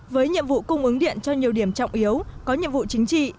với nhiệm vụ cung ứng điện cho nhiều điểm trọng yếu có nhiệm vụ chính trị